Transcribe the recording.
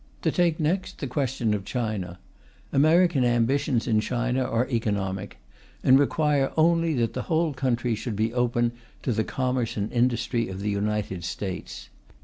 To take next the question of China: American ambitions in China are economic, and require only that the whole country should be open to the commerce and industry of the United States.